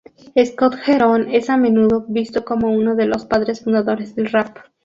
Scott-Heron es a menudo visto como uno de los padres fundadores del rap.